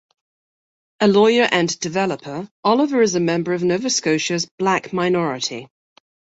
A lawyer and developer, Oliver is a member of Nova Scotia's Black minority.